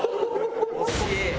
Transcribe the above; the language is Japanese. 惜しい。